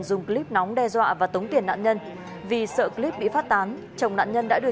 dùng clip nóng đe dọa và tống tiền nạn nhân vì sợ clip bị phát tán chồng nạn nhân đã đưa